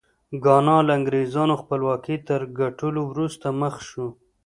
ګانا له انګرېزانو خپلواکۍ تر ګټلو وروسته مخ شو.